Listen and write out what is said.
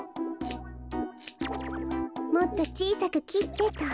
もっとちいさくきってと。